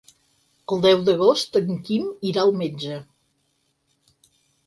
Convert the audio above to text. El deu d'agost en Quim irà al metge.